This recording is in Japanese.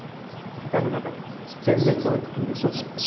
世界の中で前列を行く国の一つですね。